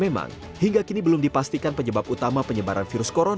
memang hingga kini belum dipastikan penyebab utama penyebaran virus corona